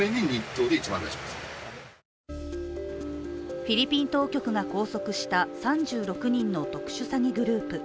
フィリピン当局が拘束した３６人の特殊詐欺グループ。